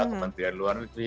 kementerian luar negeri